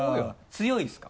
強いですか？